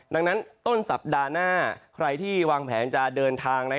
ดังนั้นต้นสัปดาห์หน้าใครที่วางแผนจะเดินทาง